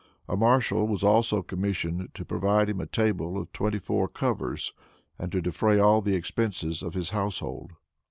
A marshal was also commissioned to provide him a table of twenty four covers, and to defray all the expenses of his household.